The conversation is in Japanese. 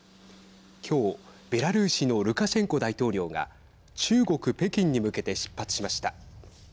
今日、ベラルーシのルカシェンコ大統領が中国、北京に向けて出発しました。